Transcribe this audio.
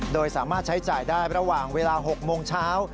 โดยสามารถใช้จ่ายได้ระหว่างเวลา๖โมงเช้า